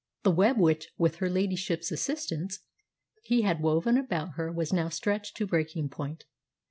The web which, with her ladyship's assistance, he had woven about her was now stretched to breaking point.